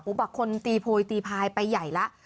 ปุ๊ปบักคนเตียงโพยนัดโพยนัดพายไปใหญ่ละ